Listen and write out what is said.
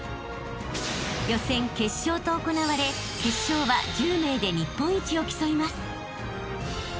［予選決勝と行われ決勝は１０名で日本一を競います］